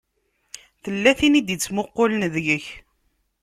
Tella tin i d-ittmuqqulen deg-k.